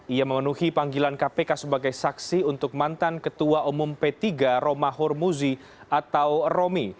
ia memenuhi panggilan kpk sebagai saksi untuk mantan ketua umum p tiga roma hurmuzi atau romi